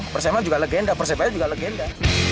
persema juga legenda persebaya juga legenda